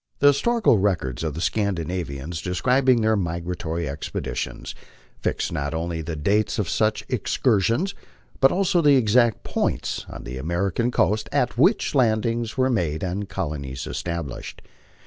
The historical records of the Scandinavians, de scribing their migratory expeditions, fix not only the dates of such excursions, but also the exact points on the American coast at which landings were made and colonies established.